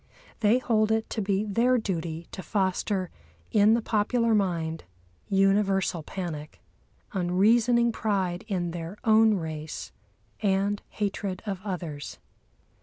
They hold it to be their duty to foster in the popular mind universal panic, unreasoning pride in their own race, and hatred of others.